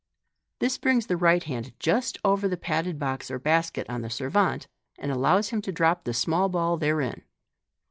This brings the right hand just over the padded box or basket on the servante, and allows him to drop the small ball therein.